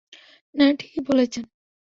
না, ঠিকই বলেছেন।